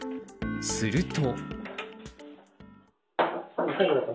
すると。